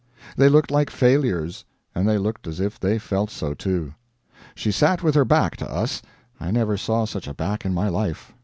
They looked like failures; and they looked as if they felt so, too. She sat with her back to us. I never saw such a back in my life.